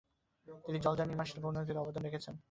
তিনি জলযান নির্মাণশিল্পের উন্নতিতে অবদান রেখেছেন।